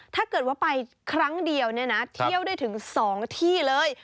ถ้าเกิดว่าไปครั้งเดียวเนี่ยนะเที่ยวได้ถึง๒ที่เลย